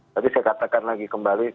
tadi saya katakan lagi kembali